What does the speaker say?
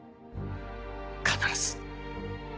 必ず。